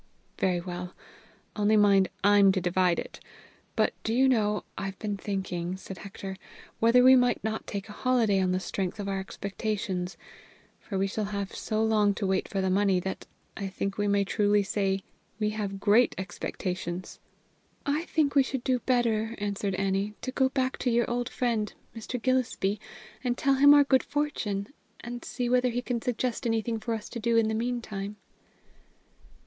"Very well. Only, mind, I'm to divide it. But, do you know, I've been thinking," said Hector, "whether we might not take a holiday on the strength of our expectations, for we shall have so long to wait for the money that I think we may truly say we have great expectations." "I think we should do better," answered Annie, "to go back to your old friend, Mr. Gillespie, and tell him of our good fortune, and see whether he can suggest anything for us to do in the meantime."